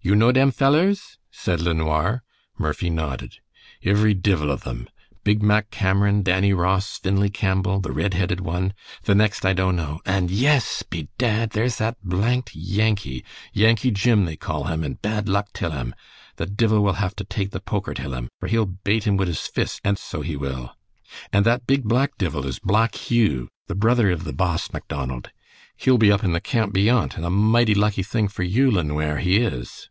"You know dem fellers?" said LeNoir. Murphy nodded. "Ivery divil iv thim Big Mack Cameron, Dannie Ross, Finlay Campbell the redheaded one the next I don't know, and yes! be dad! there's that blanked Yankee, Yankee Jim, they call him, an' bad luck till him. The divil will have to take the poker till him, for he'll bate him wid his fists, and so he will and that big black divil is Black Hugh, the brother iv the boss Macdonald. He'll be up in the camp beyant, and a mighty lucky thing for you, LeNoir, he is."